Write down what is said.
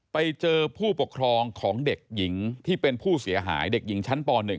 ไปเจอผู้ปกครองของเด็กหญิงที่เป็นผู้เสียหายเด็กหญิงชั้นป๑